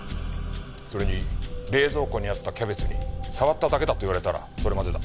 それに冷蔵庫にあったキャベツに触っただけだと言われたらそれまでだ。